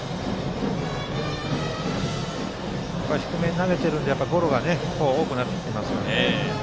低めに投げているのでゴロが多くなってきてますね。